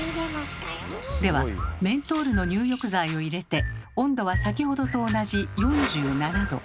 ではメントールの入浴剤を入れて温度は先ほどと同じ４７℃。